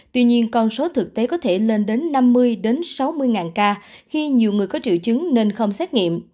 tuy nhiên con số thực tế có thể lên đến năm mươi sáu mươi ngàn ca khi nhiều người có triệu chứng nên không xét nghiệm